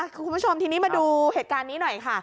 คุณผู้ชมทีนี้มาดูเหตุการณ์นี้หน่อยค่ะ